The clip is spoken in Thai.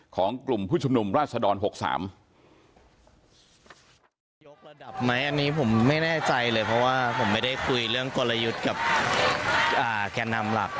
ของกลุ่มผู้ชุมนุมราชดร๖๓